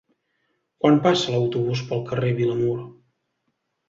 Quan passa l'autobús pel carrer Vilamur?